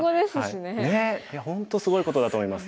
ねえいや本当すごいことだと思います。